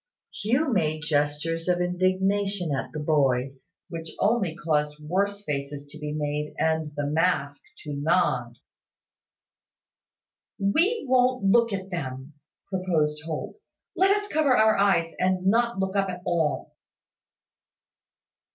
Hugh made gestures of indignation at the boys, which only caused worse faces to be made, and the mask to nod. "We wont look at them," proposed Holt. "Let us cover our eyes, and not look up at all."